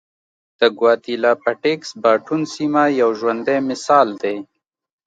د ګواتیلا پټېکس باټون سیمه یو ژوندی مثال دی.